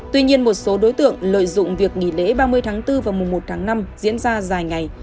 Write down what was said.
tuy nhiên một số đối tượng lợi dụng việc nghỉ lễ ba mươi tháng bốn và mùa một tháng năm diễn ra dài ngày